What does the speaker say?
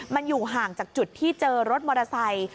มันอยู่ห่างจากจุดที่เจอรถมอเตอร์ไซค์